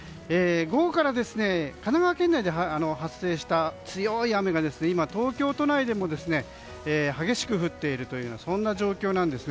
午後から、神奈川県内で発生した強い雨が、東京都内でも激しく降っている状況です。